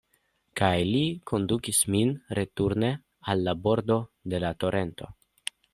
Kaj li kondukis min returne al la bordo de la torento.